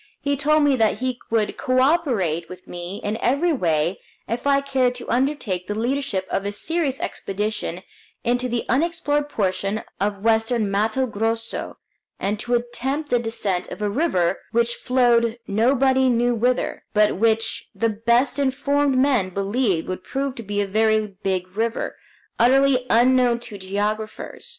He told me that he would co operate with me in every way if I cared to undertake the leadership of a serious expedition into the unexplored portion of western Matto Grosso, and to attempt the descent of a river which flowed nobody knew whither, but which the best informed men believed would prove to be a very big river, utterly unknown to geographers.